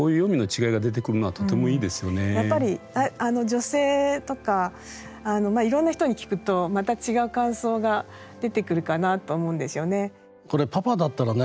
こういうやっぱり女性とかいろんな人に聞くとまた違う感想が出てくるかなと思うんですよね。